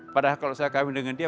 padahal kalau saya kambing dengan dia